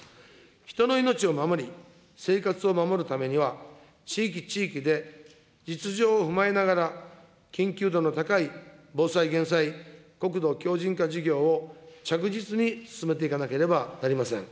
人の命を守り、生活を守るためには、地域、地域で実情を踏まえながら、緊急度の高い防災、減災、国土強じん化事業を着実に進めていかなければなりません。